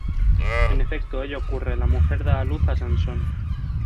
En efecto, ello ocurre: la mujer da a luz a Sansón.